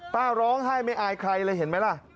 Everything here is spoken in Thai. ร้องไห้ไม่อายใครเลยเห็นไหมล่ะ